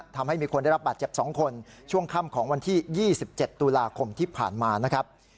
ทำให้มีคนได้รับบาดเจ็บ๒คนช่วงค่ำของวันที่๒๗ตุลาคมที่ผ่านมานะครับ